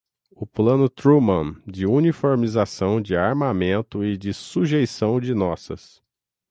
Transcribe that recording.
o Plano Truman de uniformização de armamento e de sujeição de nossas